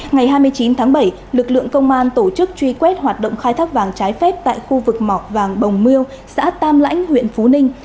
ngày hai mươi chín tháng bảy lực lượng công an tổ chức truy quét hoạt động khai thác vàng trái phép tại khu vực mọc vàng bồng miêu xã tam lãnh huyện phú ninh